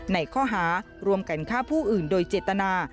ในข้อหารวมกันฆ่าผู้อื่นโดยเจตนา